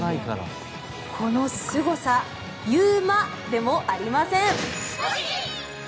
このすごさゆうまでもありません。